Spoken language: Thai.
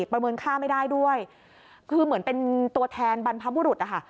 ประเมินค่าไม่ได้ด้วยคือเหมือนเป็นตัวแทนบรรพบุรุษนะคะ